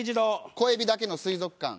小エビだけの水族館。